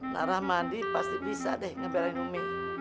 nah rahmadi pasti bisa deh ngebelain ummi